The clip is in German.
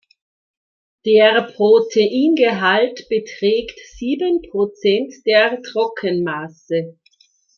Der Proteingehalt beträgt sieben Prozent der Trockenmasse.